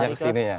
lari ke sini ya